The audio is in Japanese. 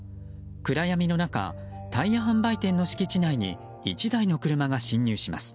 暗闇の中タイヤ販売店の敷地内に１台の車が侵入します。